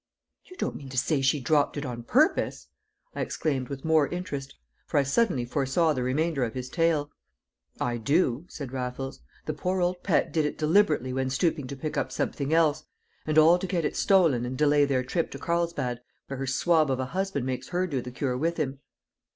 "You don't mean to say she dropped it on purpose?" I exclaimed with more interest, for I suddenly foresaw the remainder of his tale. "I do," said Raffles. "The poor old pet did it deliberately when stooping to pick up something else; and all to get it stolen and delay their trip to Carlsbad, where her swab of a husband makes her do the cure with him."